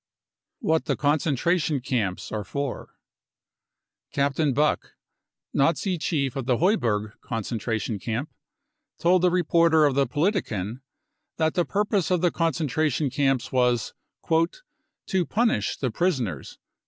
What the. concentration camps are for. Captain Buck, Nazi chief of the Heuberg concentration camp, told the reporter of the Politiken that the purpose of the concentra tion camps was " to punish the prisoners.